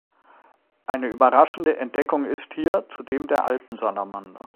Eine überraschende Entdeckung ist hier zudem der Alpensalamander.